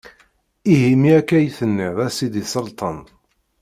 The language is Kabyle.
Ihi ma akka i tenniḍ a sidi Selṭan.